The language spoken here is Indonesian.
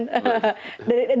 dari dulu sudah eksklusif